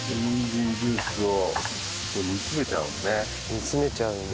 煮詰めちゃうんだ。